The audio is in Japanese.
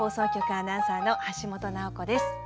アナウンサーの橋本奈穂子です。